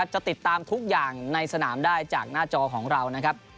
จะติดตามทุกอย่างในสนามได้กับหน้าจอของเรา